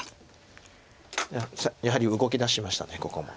やはり動きだしましたここも。